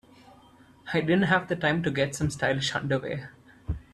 I didn't have time to get some stylish underwear.